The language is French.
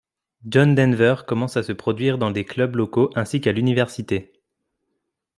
John Denver commence à se produire dans des clubs locaux ainsi qu'à l'université.